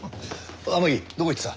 天樹どこ行ってた？